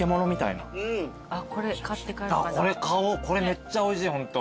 これ買おうこれめっちゃおいしいホント。